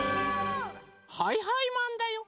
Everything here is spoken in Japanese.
はいはいマンだよ！